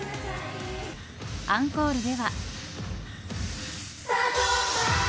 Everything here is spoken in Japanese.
アンコールでは。